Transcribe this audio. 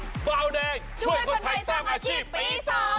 เบาแดงช่วยคนไทยสร้างอาชีพปี๒